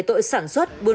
tờ xem ạ